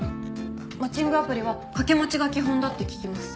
マッチングアプリはかけ持ちが基本だって聞きます。